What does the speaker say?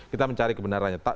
kita mencari kebenarannya